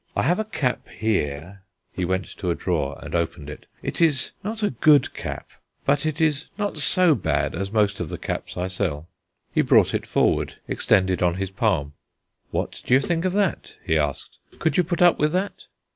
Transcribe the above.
I have a cap here" he went to a drawer and opened it "it is not a good cap, but it is not so bad as most of the caps I sell." He brought it forward, extended on his palm. "What do you think of that?" he asked. "Could you put up with that?"